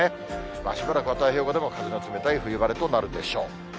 しばらくは太平洋側でも、風の冷たい冬晴れとなるでしょう。